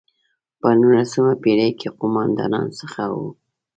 په نولسمه پېړۍ کې قوماندانانو څخه وو.